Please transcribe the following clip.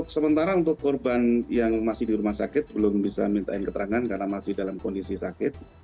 sementara untuk korban yang masih di rumah sakit belum bisa minta keterangan karena masih dalam kondisi sakit